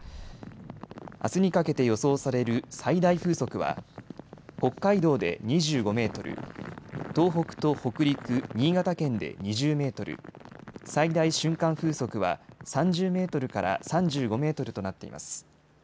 あすにかけて予想される最大風速は北海道で２５メートル、東北と北陸、新潟県で２０メートル、最大瞬間風速は３０メートルから３５メートルとなっています。